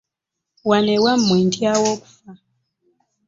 Wano ewammwe ntyawo okufa!